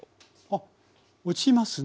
あっ落ちますね。